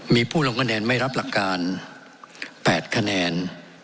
มีผู้ลงคะแนนไม่รับหลักการ๘คะแนน